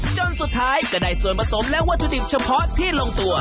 จนสุดท้ายก็ได้ส่วนผสมและวัตถุดิบเฉพาะที่ลงตัว